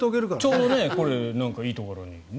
ちょうどこれいいところにね。